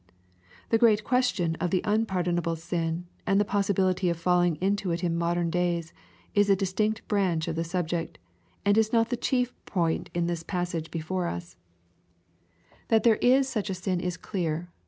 The great question of the unpardonable sin, and the possibility of falling into it in modem days, is a distinct branch of the subject) and is not the chief pcint in the passage before us. 70 EXPOSITORY THOUGHTS. That there is such a sin is clear.